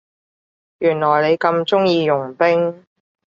原來你咁鍾意傭兵